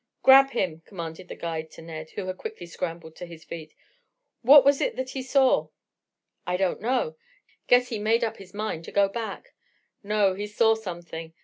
"Grab him!" commanded the guide to Ned, who had quickly scrambled to his feet. "What was it that he saw?" "I don't know. Guess he made up his mind to go back." "No; he saw something.